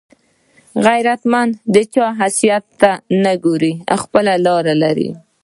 غیرتمند د چا حیثیت ته نه ګوري، خپله لار لري